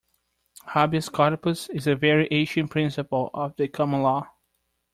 Habeas corpus is a very ancient principle of the common law